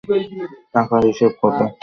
টাকার হিসেবে কতো?